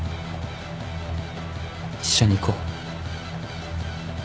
一緒に行こう。